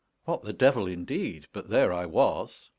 What the devil, indeed! But there I was.